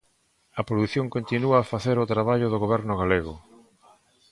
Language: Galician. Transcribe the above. A produción continúa a facer o traballo do goberno galego.